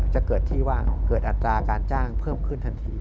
จะเกิดที่ว่าเกิดอัตราการจ้างเพิ่มขึ้นทันที